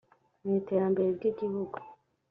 mu iterambere ry igihugu